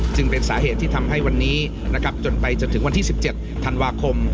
จึงเป็นสาเหตุที่ทำให้วันนี้นะครับจนไปจนถึงวันที่๑๗ธันวาคม